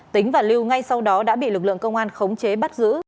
tính và lưu ngay sau đó đã bị lực lượng công an khống chế bắt giữ